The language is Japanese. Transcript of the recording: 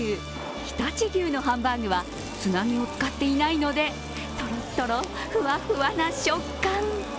常陸牛のハンバーグはつなぎを使っていないので、トロトロフワフワな食感。